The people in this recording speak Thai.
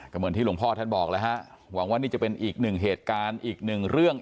ก็เหมือนที่หลวงพ่อทันบอกแล้วฮะอาวันว่านี้จะเป็นอีก๑เหตุการณ์อีก๑เรื่อง